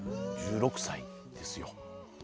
１６歳ですよ。